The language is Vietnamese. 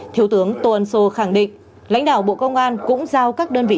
thứ tướng tôn sô khẳng định lãnh đạo bộ công an cũng giao các đơn vị trưởng